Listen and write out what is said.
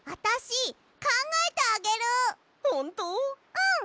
うん！